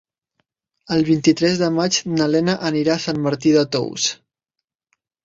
El vint-i-tres de maig na Lena anirà a Sant Martí de Tous.